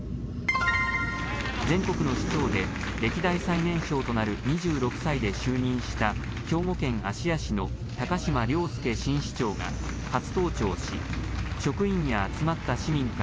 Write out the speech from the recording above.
全国の市長で、歴代最年少となる２６歳で就任した、兵庫県芦屋市の高島崚輔新市長が初登庁し、職員や集まった市民か